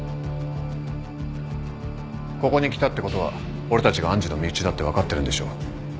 ここに来たってことは俺たちが愛珠の身内だって分かってるんでしょう？